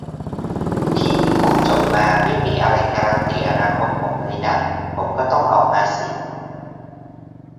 'พี่ ผมจบมา ไม่มีอะไรการันตีอนาคตผมเลยนะ ผมก็ต้องออกมาสิ'